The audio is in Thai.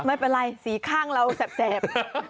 ไม่เป็นไรสีข้างเราแสบ